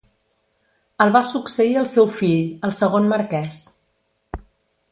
El va succeir el seu fill, el segon marquès.